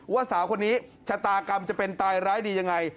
สาวคนนี้ชะตากรรมจะเป็นตายร้ายดียังไง